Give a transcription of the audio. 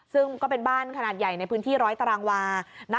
ซึ่งก็เป็นบ้านขนาดใหญ่ในพื้นที่ร้อยตารางวา